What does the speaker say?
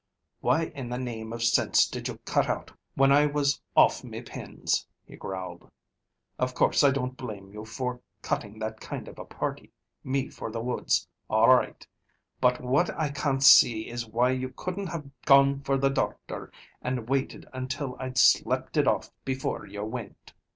"Why in the name of sinse did you cut out whin I was off me pins?" he growled. "Of course I don't blame you for cutting that kind of a party, me for the woods, all right, but what I can't see is why you couldn't have gone for the doctor and waited until I'd slept it off before you wint."